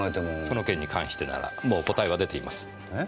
その件に関してならもう答えは出ています。